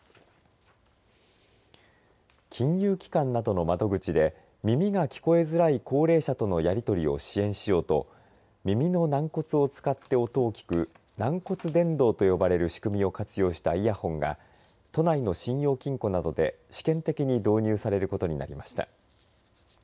金融機関などの窓口で耳が聞こえづらい高齢者とのやり取りを支援しようと耳の軟骨を使って音を聞く軟骨伝導と呼ばれる仕組みを活用したイヤホンが都内の信用金庫などで試験的に導入されることになりました。